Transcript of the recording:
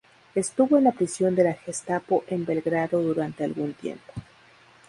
Estuvo en la prisión de la Gestapo en Belgrado durante algún tiempo.